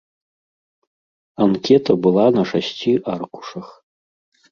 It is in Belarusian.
Анкета была на шасці аркушах.